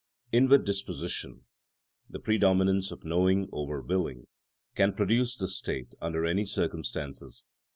Inward disposition, the predominance of knowing over willing, can produce this state under any circumstances.